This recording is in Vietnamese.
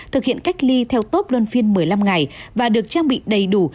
thực hiện cách ly theo tốt luân phiên một mươi năm ngày và được trang bị đầy đủ